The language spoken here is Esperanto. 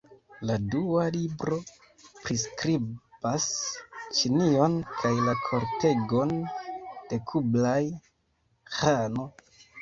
La dua libro priskribas Ĉinion kaj la kortegon de Kublaj-Ĥano.